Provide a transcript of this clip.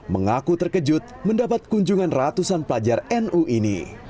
mengaku terkejut mendapat kunjungan ratusan pelajar nu ini